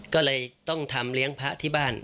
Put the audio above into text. ก็เลยต้องทำเลี้ยงพระที่บ้าน